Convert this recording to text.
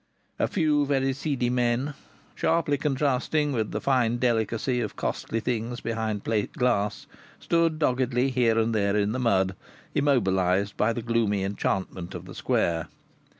A few very seedy men (sharply contrasting with the fine delicacy of costly things behind plate glass) stood doggedly here and there in the mud, immobilized by the gloomy enchantment of the Square.